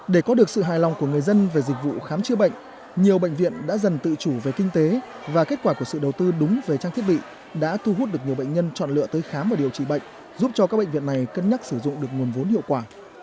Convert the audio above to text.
để có được sự hài lòng của người dân về dịch vụ khám chữa bệnh nhiều bệnh viện đã dần tự chủ về kinh tế và kết quả của sự đầu tư đúng về trang thiết bị đã thu hút được nhiều bệnh nhân chọn lựa tới khám và điều trị bệnh giúp cho các bệnh viện này cân nhắc sử dụng được nguồn vốn hiệu quả